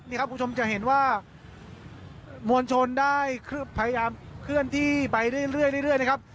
นี่ครับคุณผู้ชมจะเห็นว่ามวลชนได้พยายามเคลื่อนที่ไปเรื่อยนะครับ